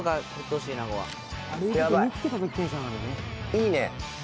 いいね